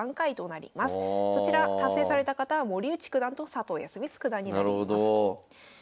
そちら達成された方は森内九段と佐藤康光九段になります。